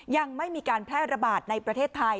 ยังไม่มีการแพร่ระบาดในประเทศไทย